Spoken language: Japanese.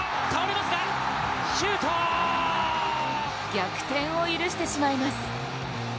逆転を許してしまいます。